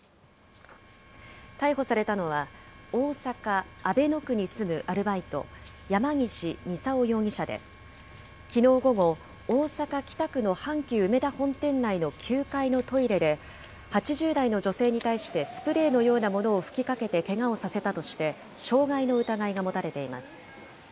逮捕されたのは、大阪・阿倍野区に住むアルバイト、山ぎし操容疑者で、きのう午後、大阪・北区の阪急うめだ本店内の９階のトイレで、８０代の女性に対してスプレーのようなものを吹きかけてけがをさせたとして、傷害の疑いが持たれています。